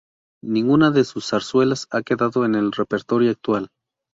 Ninguna de sus zarzuelas ha quedado en el repertorio actual.